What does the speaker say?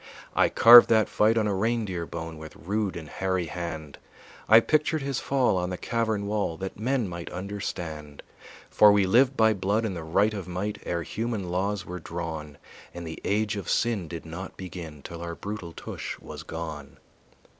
I carved that fight on a reindeer bone With rude and hairy hand; I pictured his fall on the cavern wall That men might understand. For we lived by blood and the right of might Ere human laws were drawn, And the age of sin did not begin Till our brutal tush was gone.